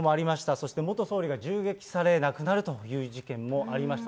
そして元総理が銃撃され亡くなるという事件もありました。